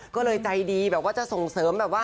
ก็เลยใจดีแบบว่าจะส่งเสริมแบบว่า